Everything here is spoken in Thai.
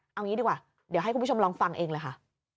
เอางี้ดีกว่าเดี๋ยวให้คุณผู้ชมลองฟังเองเลยค่ะ